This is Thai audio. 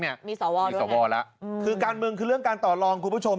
มีสวรรค์ด้วยไงมีสวรรค์ละคือการเมืองคือเรื่องการต่อรองคุณผู้ชม